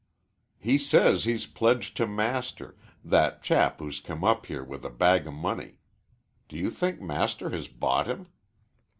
"He says he's pledged to Master that chap who's come up here with a bag o' money. Do you think Master has bought him?"